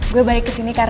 gue balik kesini karena